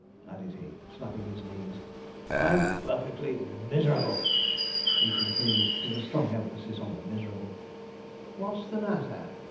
added he, slapping his knees. 'I'm perfectly miserable!' he concluded, with a strong emphasis on the 'miserable.' 'What's the matter?'